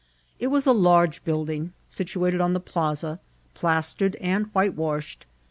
It was a large build ing, situated on the plaasa, plastered and whitewashed.